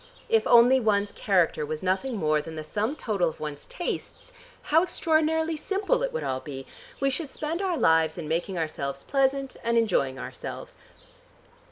If only one's character was nothing more than the sum total of one's tastes, how extraordinarily simple it would all be. We should spend our lives in making ourselves pleasant and enjoying ourselves.